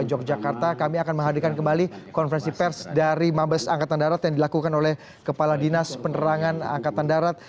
di yogyakarta kami akan menghadirkan kembali konferensi pers dari mabes angkatan darat yang dilakukan oleh kepala dinas penerangan angkatan darat